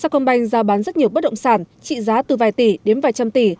sacombank giao bán rất nhiều bất động sản trị giá từ vài tỷ đến vài trăm tỷ